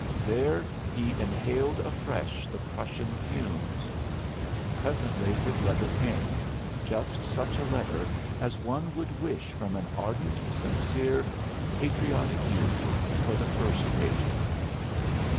There he inhaled afresh the Prussian fumes. Presently his letter came, just such a letter as one would wish from an ardent, sincere, patriotic youth for the first pages.